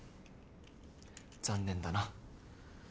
残念だな。